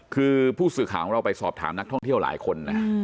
คือผู้สื่อข่าวของเราไปสอบถามนักท่องเที่ยวหลายคนนะ